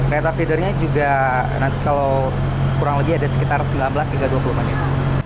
kereta feedernya juga nanti kalau kurang lebih ada sekitar sembilan belas hingga dua puluh menit